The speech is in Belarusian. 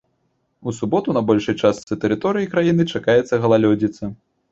У суботу на большай частцы тэрыторыі краіны чакаецца галалёдзіца.